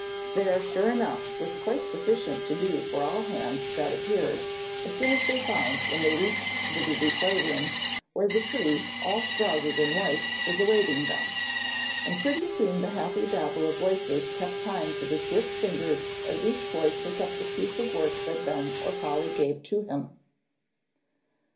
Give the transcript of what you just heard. There, sure enough, was quite sufficient to do for all the hands that appeared, as they soon found when they reached the busy playroom, where the tree, all shrouded in white, was awaiting them. And pretty soon the happy babel of voices kept time to the swift fingers as each boy took up the piece of work that Ben or Polly gave to him.